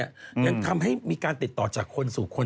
ยังทำให้มีการติดต่อจากคนสู่คน